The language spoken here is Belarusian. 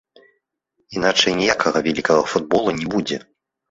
Іначай ніякага вялікага футбола не будзе.